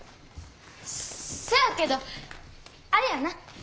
せやけどあれやな。